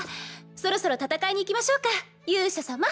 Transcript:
そろそろ戦いに行きましょうか勇者様。